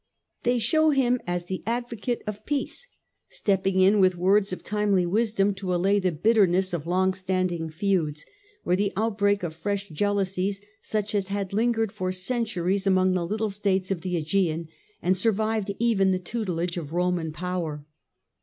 They show him as the advo cate of peace, stepping in with words of timely wisdom to allay the bitterness of long standing feuds, or the outbreak of fresh jealousies such as had lingered for centuries among the little states of the ^Egean, and sur vived even the tutelage of Roman power.